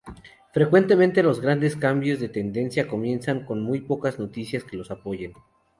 Frecuentemente los grandes cambios de tendencia comienzan con muy pocas noticias que los apoyen.